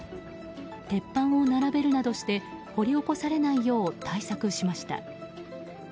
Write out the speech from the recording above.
鉄板を並べるなどして掘り起こされないよう対策しました。